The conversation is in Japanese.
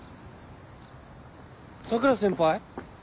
・桜先輩？